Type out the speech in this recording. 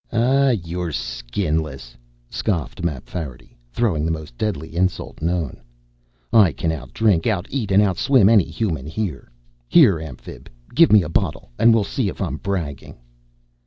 "Ah, you're skinless," scoffed Mapfarity, throwing the most deadly insult known. "I can out drink, out eat, and out swim any Human here. Here, Amphib, give me a bottle, and we'll see if I'm bragging."